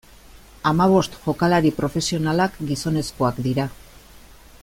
Hamabost jokalari profesionalak gizonezkoak dira.